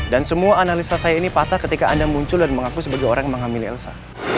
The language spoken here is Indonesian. dan semua analisa saya ini patah ketika anda muncul dan mengaku sebagai orang yang menghamili elsa